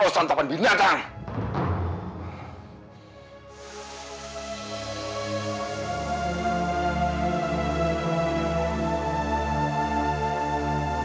orang tua saya tidak mendapat penderitaan tersebut